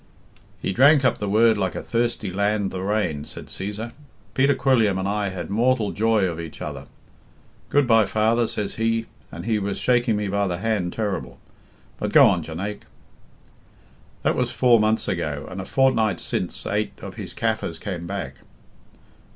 "He drank up the Word like a thirsty land the rain," said Cæsar. "Peter Quilliam and I had mortal joy of each other. 'Good bye, father,' says he, and he was shaking me by the hand ter'ble. But go on, Jonaique." "'That was four months ago, and a fortnight since eight of his Kaffirs came back.'"